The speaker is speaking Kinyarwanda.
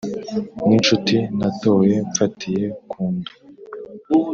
n'inshuti natoye mfatiye kundu